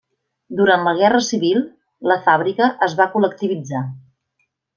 Durant la Guerra Civil la fàbrica es va col·lectivitzar.